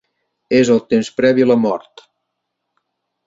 És el temps previ a la mort.